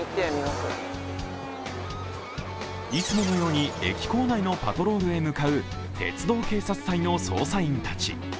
いつものように駅構内のパトロールへ向かう鉄道警察隊の捜査員たち。